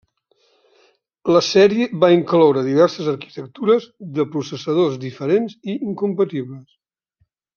La sèrie va incloure diverses arquitectures de processadors diferents i incompatibles.